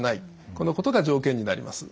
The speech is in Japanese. このことが条件になります。